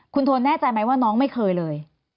คุณโทนแน่ใจไหมว่าน้องไม่เคยเลย